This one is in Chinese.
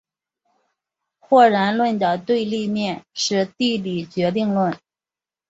或然论的对立面是地理决定论。